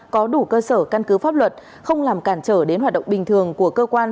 có đủ cơ sở căn cứ pháp luật không làm cản trở đến hoạt động bình thường của cơ quan